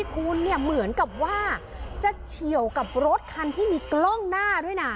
คุณเนี่ยเหมือนกับว่าจะเฉียวกับรถคันที่มีกล้องหน้าด้วยนะ